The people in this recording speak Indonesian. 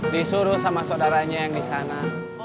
disuruh sama saudaranya yang disana